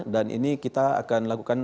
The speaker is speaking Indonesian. dan ini kita akan lakukan